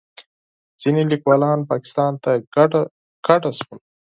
ځینې لیکوالان پاکستان ته کډه شول.